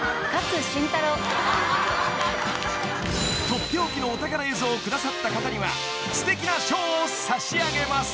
［取って置きのお宝映像を下さった方にはすてきな賞を差し上げます］